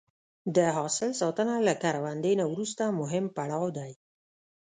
د حاصل ساتنه له کروندې نه وروسته مهم پړاو دی.